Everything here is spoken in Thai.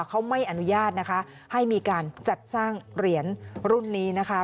เขาไม่อนุญาตนะคะให้มีการจัดสร้างเหรียญรุ่นนี้นะคะ